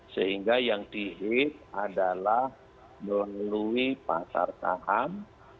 sehingga yang di hit adalah melalui pasar tahap